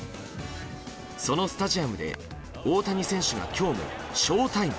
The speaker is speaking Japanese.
そのスタジアムで大谷選手が今日もショウタイム。